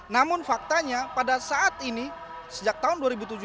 namun faktanya pada saat ini sejak tahun dua ribu tujuh belas